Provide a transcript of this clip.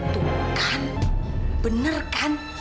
tuh kan bener kan